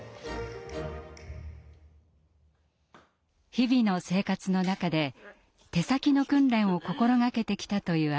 日々の生活の中で手先の訓練を心がけてきたという愛さん。